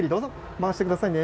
回して下さいね。